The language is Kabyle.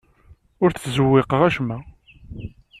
Ur ttzewwiqeɣ acemma.